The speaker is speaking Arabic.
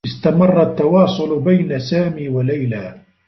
استمرّ التّواصل بين سامي و ليلى.